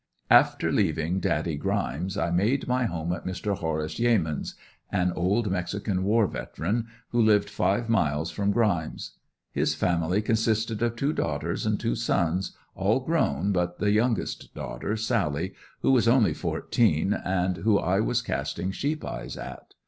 After leaving Daddy Grimes I made my home at Mr. Horace Yeamans', an old mexican war veteran, who lived five miles from Grimes'. His family consisted of two daughters and two sons, all grown but the youngest daughter, Sally, who was only fourteen, and who I was casting sheeps eyes at.